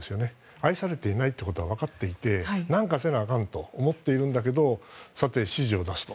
愛されていないということは分かっていて何かしないといけないと思っているんだけど指示を出すと。